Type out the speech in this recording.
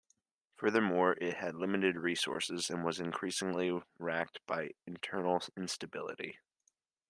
Furthermore it had limited resources, and was increasingly wracked by internal instability.